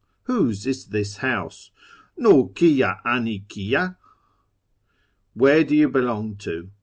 Whose is this house ? Nil kiyd dn i ki d ? Where do you belong to